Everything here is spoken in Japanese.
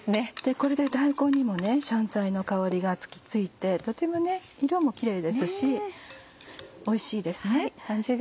これで大根にも香菜の香りがついてとても色もキレイですしおいしいです。